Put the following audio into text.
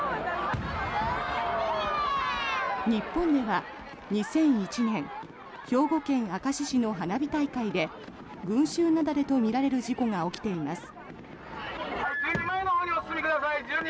日本では、２００１年兵庫県明石市の花火大会で群集雪崩とみられる事故が起きています。